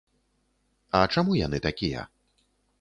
А чаму яны такія?